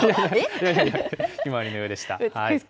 ひまわりのようでした。